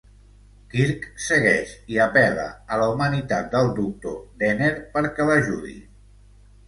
Kirk segueix i apel·la a la humanitat del Doctor Dehner perquè l'ajudi.